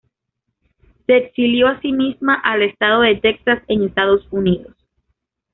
Se exilió a sí misma al estado de Texas en Estados Unidos.